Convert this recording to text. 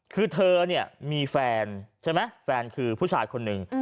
คือเธอเนี่ยมีแฟนใช่ไหมแฟนคือผู้ชายคนหนึ่ง